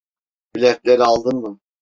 Biletleri aldın mı?